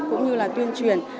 cũng như là tuyên truyền